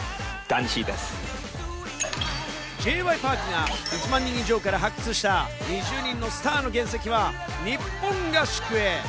Ｊ．Ｙ．Ｐａｒｋが１万人以上から発掘した２０人のスターの原石は日本合宿へ。